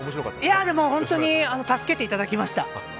本当に助けていただきました。